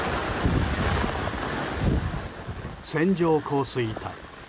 線状降水帯。